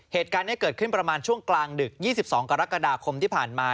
เหตุการณ์นี้เกิดขึ้นประมาณช่วงกลางดึก๒๒กรกฎาคมที่ผ่านมา